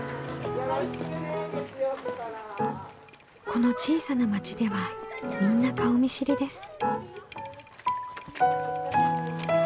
この小さな町ではみんな顔見知りです。